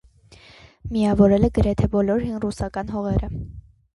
Միավորել է գրեթե բոլոր հին ռուսական հողերը։